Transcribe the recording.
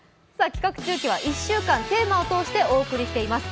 企画中継は、１週間テーマを通してお送りしています。